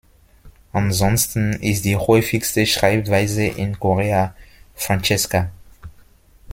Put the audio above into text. Ansonsten ist die häufigste Schreibweise in Korea "Francesca".